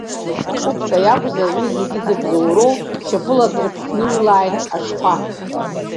Кәыпта иакәзар уи зегьы зыбзоуроу, шьапыла драԥхындырҩлааит аҽқәа!